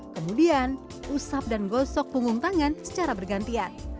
kemudian usap dan gosok punggung tangan secara bergantian